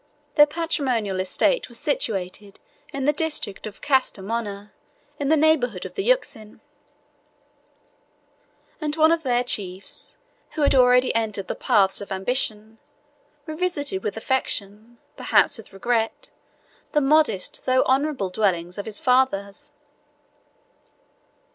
Their patrimonial estate was situate in the district of Castamona, in the neighborhood of the Euxine; and one of their chiefs, who had already entered the paths of ambition, revisited with affection, perhaps with regret, the modest though honorable dwelling of his fathers.